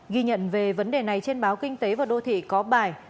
ghi nhận về vấn đề này trên báo kinh tế và đô thị có bài